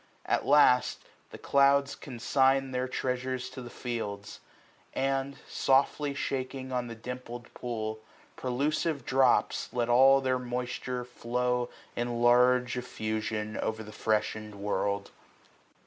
At last. The clouds coniign their treasures to the fields ; And, softly shaking on the dimpled pool Prelusive drops, let all their moifhire flow In large effusion, o*er the freshened world.